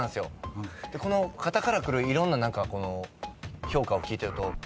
この肩からくるいろんな評価を聞いてると。